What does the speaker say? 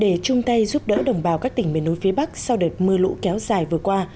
để chung tay giúp đỡ đồng bào các tỉnh miền núi phía bắc sau đợt mưa lũ kéo dài vừa qua